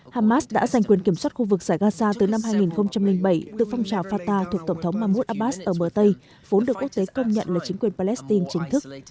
hamas đã giành quyền kiểm soát khu vực giải gaza từ năm hai nghìn bảy từ phong trào fata thuộc tổng thống mahmoud abbas ở bờ tây vốn được quốc tế công nhận là chính quyền palestine chính thức